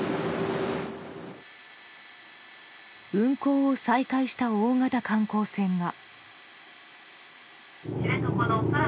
運航を再開した大型観光船が。